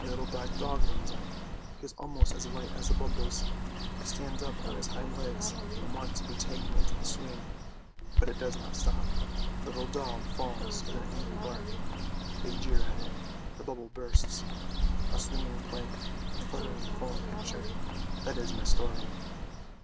A little black dog runs up, he is almost as light as the bubbles, he stands up on his hind legs and wants to be taken into the swing, but it does not stop. The little dog falls with an angry bark, they jeer at it; the bubble bursts. A swinging plank, a fluttering foam picture — that is my story!